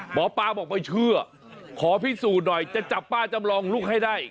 หมอปลาบอกไม่เชื่อขอพิสูจน์หน่อยจะจับป้าจำลองลูกให้ได้